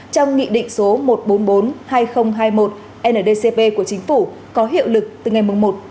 trong nghị định số một trăm bốn mươi bốn hai nghìn hai mươi một ndcp của chính phủ có hiệu lực từ ngày một một một hai nghìn hai mươi hai